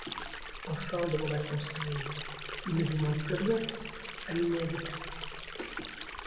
Enfin, demanda Conseil, il ne vous manque plus rien, ami Ned ?